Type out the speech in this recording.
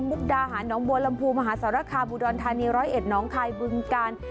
มุกดาหารน้องบัวลำพูมหาสารคามอุดรธานีร้อยเอ็ดน้องคายบึงกาล